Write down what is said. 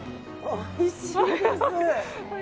おいしいです！